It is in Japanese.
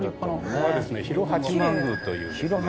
ここはですね廣八幡宮というですね